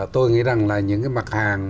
tôi nghĩ rằng là những cái mặt hàng